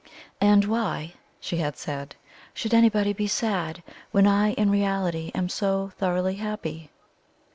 "And why," she had said, "should anybody be sad, when I in reality am so thoroughly happy?"